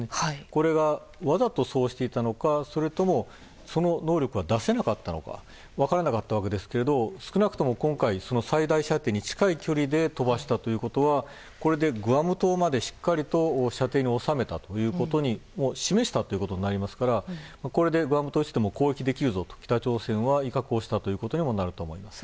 これが、わざとそうしていたのかそれともその能力が出せなかったのか分からなかったわけですが少なくとも今回最大射程に近い距離で飛ばしたということはこれでグアム島までしっかりと射程に収めたことを示したということになりますからこれでグアム島に落ちても攻撃ができるぞと北朝鮮は威嚇をしたということにもなると思います。